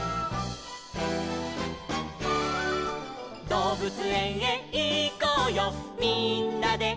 「どうぶつえんへいこうよみんなでいこうよ」